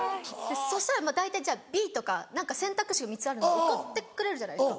そしたら大体「じゃあＢ」とか何か選択肢が３つあるんで送ってくれるじゃないですか。